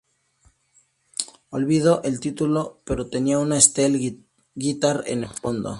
Olvido el título pero tenía una steel guitar en el fondo.